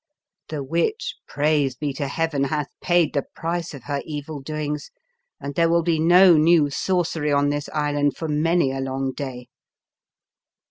The witch, praise be to Heaven, hath paid the price of her evil doings, and there will be no new Sorcery on this island for many a long day!"